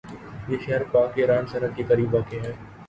یہ شہر پاک ایران سرحد کے قریب واقع ہے